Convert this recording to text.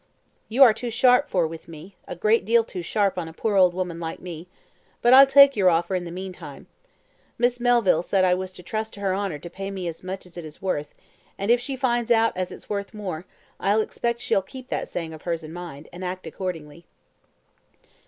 "You are too sharp for with me, a great deal too sharp on a poor old woman like me, but I'll take your offer in the meantime. Miss Melville said I was to trust to her honour to pay me as much as it is worth, and if she finds out as it's worth more, I expect she'll keep that saying of hers in mind, and act accordingly."